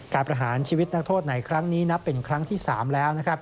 ประหารชีวิตนักโทษในครั้งนี้นับเป็นครั้งที่๓แล้วนะครับ